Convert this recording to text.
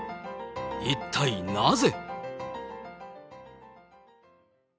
一体なぜ。